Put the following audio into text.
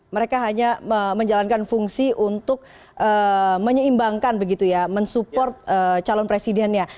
mereka hanya menjalankan fungsi untuk menyeimbangkan mensupport calon presidennya